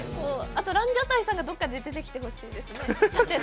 あと、ランジャタイさんが、どこかで出てきてほしいですね。